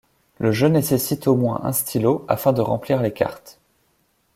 Le jeu nécessite au moins un stylo, afin de remplir les cartes.